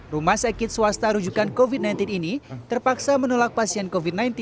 rumah sakit swasta rujukan covid sembilan belas ini terpaksa menolak pasien covid sembilan belas